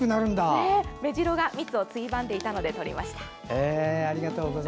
メジロが蜜をついばんでいたので撮りました。